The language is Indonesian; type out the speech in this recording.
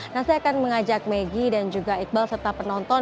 nah saya akan mengajak maggie dan juga iqbal serta penonton